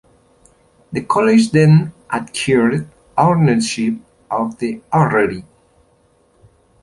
The college then acquired ownership of the orrery.